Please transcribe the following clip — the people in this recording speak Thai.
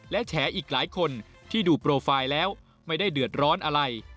และแฉอีกหลายคนที่ดูโปรไฟล์แล้วไม่ได้เดือดร้อนอะไร